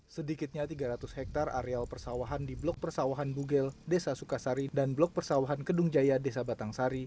sedikitnya tiga ratus hektare areal persawahan di blok persawahan bugel desa sukasari dan blok persawahan kedung jaya desa batang sari